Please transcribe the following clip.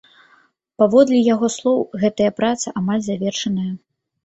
Паводле яго слоў, гэтая праца амаль завершаная.